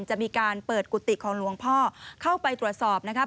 จะมีการเปิดกุฏิของหลวงพ่อเข้าไปตรวจสอบนะครับ